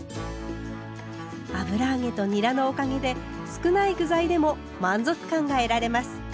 油揚げとにらのおかげで少ない具材でも満足感が得られます。